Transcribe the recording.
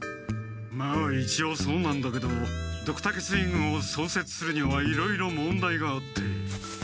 まあいちおうそうなんだけどドクタケ水軍をそうせつするにはいろいろ問題があって。